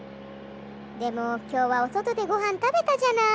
でもきょうはおそとでごはんたべたじゃない。